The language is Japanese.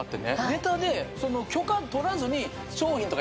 ネタで許可取らずに。